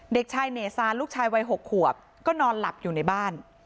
เด็กชายเนซานลูกชายวัย๖ขวบก็นอนหลับอยู่ในบ้าน